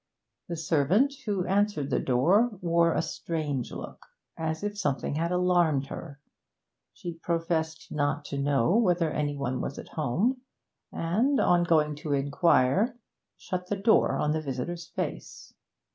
The servant who answered the door wore a strange look, as if something had alarmed her; she professed not to know whether any one was at home, and, on going to inquire, shut the door on the visitor's face.